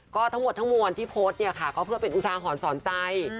ก็ทั้งหมดทั้งมวลที่โพสต์เนี่ยค่ะก็เพื่อเป็นอุทาหรณ์สอนใจ